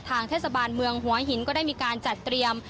ทางเทศบาลเมืองหัวหินก็ได้มีการจัดเตรียม